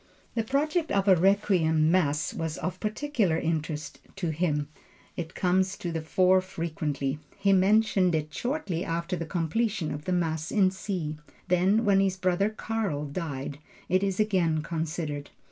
The project of a Requiem Mass was of particular interest to him; it comes to the fore frequently. He mentioned it shortly after the completion of the Mass in C. Then, when his brother Karl died it is again considered.